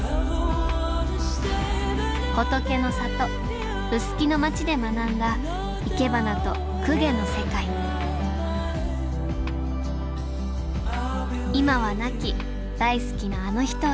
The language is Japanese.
仏の里臼杵の町で学んだいけばなと供華の世界今は亡き大好きなあの人へ。